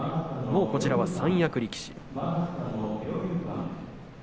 もうこちらは三役力士です。